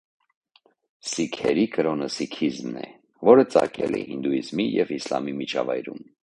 Սիկհերի կրոնը սիկհիզմն է, որը ծագել է հինդուիզմի և իսլամի միջավայրում։